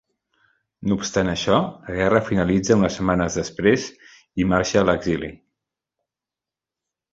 No obstant això, la guerra finalitza unes setmanes després i marxa a l'exili.